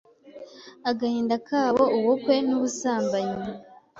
agahinda kaboUbukwe nubusambanyi